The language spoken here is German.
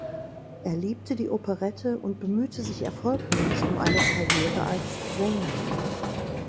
Er liebte die Operette und bemühte sich erfolglos um eine Karriere als Sänger.